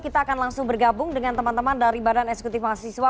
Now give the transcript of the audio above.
kita akan langsung bergabung dengan teman teman dari badan eksekutif mahasiswa